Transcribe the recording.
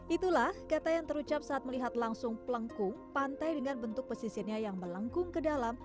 itulah kata yang terucap saat melihat langsung pelengkung pantai dengan bentuk pesisirnya yang melengkung ke dalam